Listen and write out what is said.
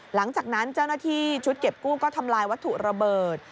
หลังจากนั้นเจ้าหน้าที่ชุดเก็บกู้ก็ทำลายวัตถุระเบิด